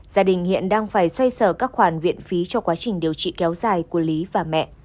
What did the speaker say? gia đình hiện đang phải xoay sở các khoản viện phí cho quá trình điều trị kéo dài của lý và mẹ